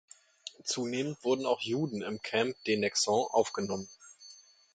Zunehmend wurden auch Juden im Camp de Nexon aufgenommen.